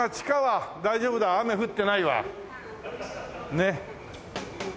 ねっ。